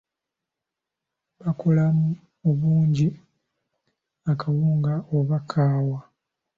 Bakolamu obuugi, akawunga oba kaawa.